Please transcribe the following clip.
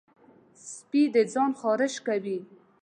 سپي د ځان خارش کوي.